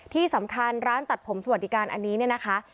ที่สำคัญร้านตัดผมสวัสดิการอันนี้เนี่ยนะคะ